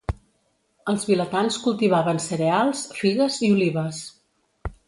Els vilatans cultivaven cereals, figues i olives.